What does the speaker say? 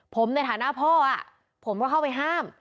ผมในฐานะพ่อผมก็เข้าไปห้าม